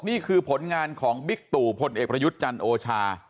นี่คือผลงานของบิ๊กตู่พลเอกประยุทธ์จันทร์โอชา